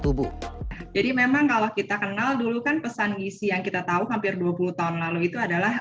tubuh jadi memang kalau kita kenal dulu kan pesan gisi yang kita tahu hampir dua puluh tahun lalu itu adalah